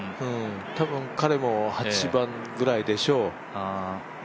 多分彼も８番くらいでしょう。